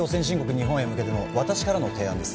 日本へ向けての私からの提案です